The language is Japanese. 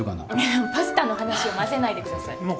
いやパスタの話を混ぜないでください。